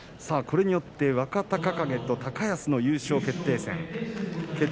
これによって若隆景と高安の優勝決定戦です。